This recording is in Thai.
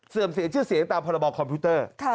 เสียชื่อเสียงตามพรบคอมพิวเตอร์